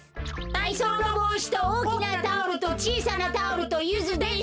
たいそうのぼうしとおおきなタオルとちいさなタオルとゆずです。